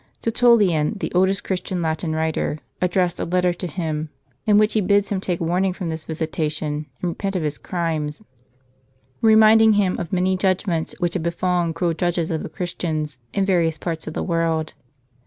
Tertullian, the oldest Christian Latin writer, addressed a letter to him, in which he bids him take warning from this visitation, and repent of his crimes ; reminding hini of many judgments which had befallen cruel judges of the Christians, in various parts of the world.